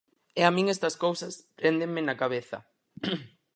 E a min estas cousas préndenme na cabeza.